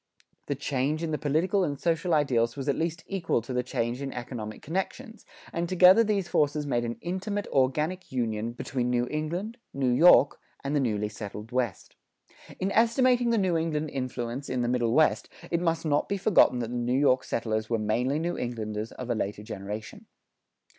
The change in the political and social ideals was at least equal to the change in economic connections, and together these forces made an intimate organic union between New England, New York, and the newly settled West. In estimating the New England influence in the Middle West, it must not be forgotten that the New York settlers were mainly New Englanders of a later generation.